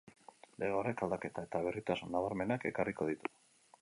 Lege horrek aldaketa eta berritasun nabarmenak ekarriko ditu.